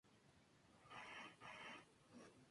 Tuvieron una hija, Emma Ozores, al año siguiente.